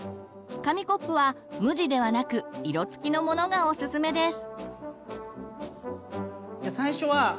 紙コップは無地ではなく色付きのものがおすすめです。